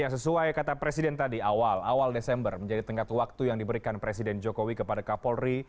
sesuai kata presiden tadi awal awal desember menjadi tengkat waktu yang diberikan presiden jokowi kepada kapolri